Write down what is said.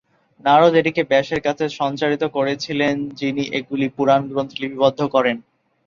নারদ এটিকে ব্যাসের কাছে সঞ্চারিত করেছিলেন, যিনি এগুলি পুরাণ গ্রন্থে লিপিবদ্ধ করেন।